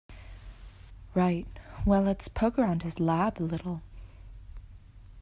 Right, well let's poke around his lab a little.